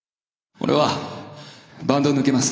俺はバンドを抜けます。